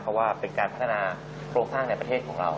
เพราะว่าเป็นการพัฒนาโครงสร้างในประเทศของเรา